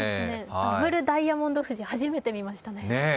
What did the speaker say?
ダブルダイヤモンド富士、初めて見ましたね。